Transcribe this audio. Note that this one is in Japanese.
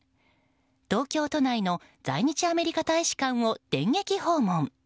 東京都内の在日アメリカ大使館を電撃訪問。